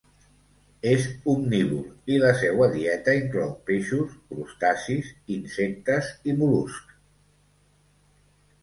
És omnívor i la seua dieta inclou peixos, crustacis, insectes i mol·luscs.